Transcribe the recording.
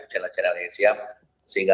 channel channelnya siap sehingga